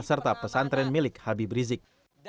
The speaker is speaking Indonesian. serta pesantren milik habib rizik